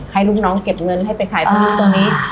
ให้ลูกน้องเก็บเงินให้ไปขายตรงนู้นตรงนี้